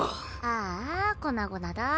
ああ粉々だ。